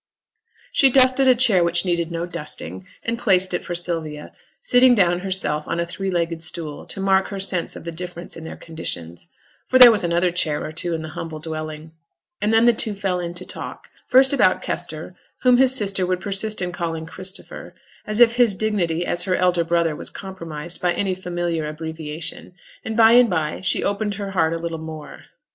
She dusted a chair which needed no dusting, and placed it for Sylvia, sitting down herself on a three legged stool to mark her sense of the difference in their conditions, for there was another chair or two in the humble dwelling; and then the two fell into talk first about Kester, whom his sister would persist in calling Christopher, as if his dignity as her elder brother was compromised by any familiar abbreviation; and by and by she opened her heart a little more.